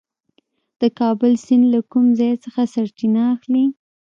د کابل سیند له کوم ځای څخه سرچینه اخلي؟